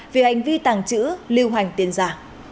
vì hành vi tàng trữ lưu hành tiền giả